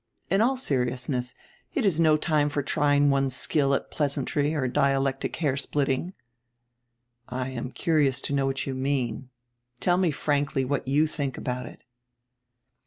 "In all seriousness. It is no time for trying one's skill at pleasantry or dialectic hair splitting." "I am curious to know what you mean. Tell me frankly what you think about it."